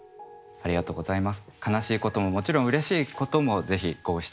☎ありがとうございます。